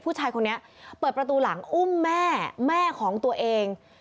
ผู้ชายคนนี้เปิดประตูหลังอุ้มแม่แม่ของตัวเอง